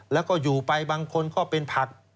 แล้วก็อยู่ไปบางคนก็เป็นผัก